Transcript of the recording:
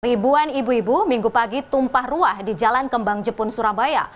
ribuan ibu ibu minggu pagi tumpah ruah di jalan kembang jepun surabaya